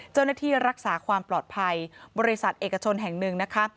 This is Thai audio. เจ้าหน้าที่รักษาความปลอดภัยบริษัทเอกชนแห่งหนึ่งนะคะ